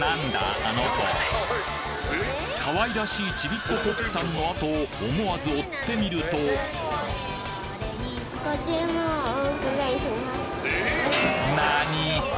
あの子かわいらしいちびっこコックさんの後を思わず追ってみるとなに！？